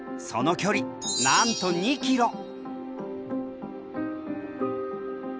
その距離なんと２キロ！